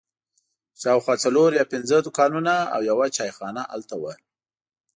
شاوخوا څلور یا پنځه دوکانونه او یوه چای خانه هلته وه.